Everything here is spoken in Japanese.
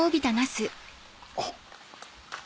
あっ。